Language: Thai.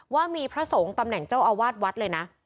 ว่ามีพระสงฆ์ตำแหน่งเจ้าอาวาสวัดเลยนะ